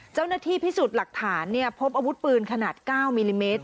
เจ้าหน้าที่พิสูจน์หลักฐานพบอาวุธปืนขนาด๙มิลลิเมตร